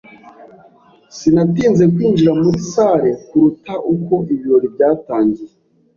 Sinatinze kwinjira muri salle kuruta uko ibirori byatangiye.